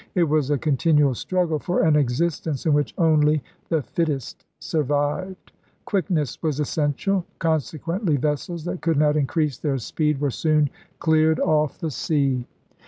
It was a con tinual struggle for an existence in which only the fittest survived. Quickness was essential. Con sequently vessels that could not increase their speed were soon cleared off the sea.